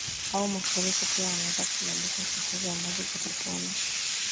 au mafuriko pia yanaweza kusababisha uchafuzi wa maji kutokana